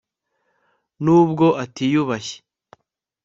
Nubwo atiyubashye